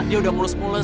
dia sudah mulus mulus